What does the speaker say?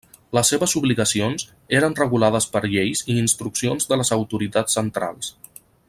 Les seves obligacions eren regulades per lleis i instruccions de les autoritats centrals.